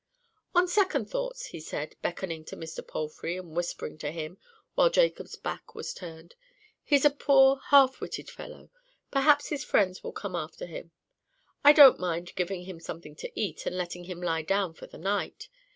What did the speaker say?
"On second thoughts," he said, beckoning to Mr. Palfrey and whispering to him while Jacob's back was turned, "he's a poor half witted fellow. Perhaps his friends will come after him. I don't mind giving him something to eat, and letting him lie down for the night.